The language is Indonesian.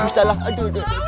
buatnya jangan bercerita